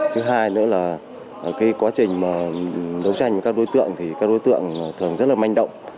thứ hai nữa là cái quá trình mà đấu tranh với các đối tượng thì các đối tượng thường rất là manh động